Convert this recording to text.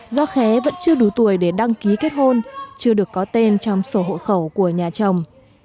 do khé vẫn chưa đủ tuổi để đăng ký kết hôn chưa được có tên trong sổ hộ khẩu của nhà chồng